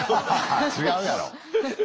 違うやろ！